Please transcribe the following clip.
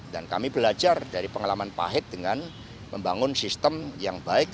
dan kami belajar dari pengalaman pahit dengan membangun sistem yang baik